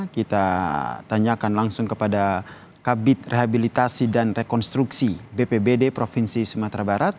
kita tanyakan langsung kepada kabit rehabilitasi dan rekonstruksi bpbd provinsi sumatera barat